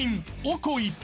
おこい］